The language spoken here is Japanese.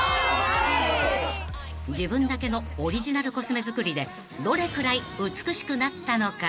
［自分だけのオリジナルコスメ作りでどれくらい美しくなったのか］